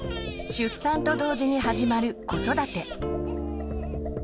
出産と同時に始まる子育て。